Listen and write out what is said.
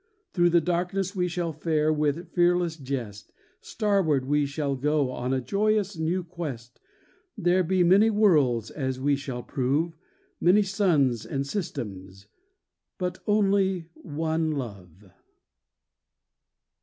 Through the darkness we shall fare with fearless jest, Starward we shall go on a joyous new quest; There be many worlds, as we shall prove. Many suns and systems, but only one love!